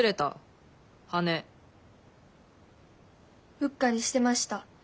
うっかりしてました。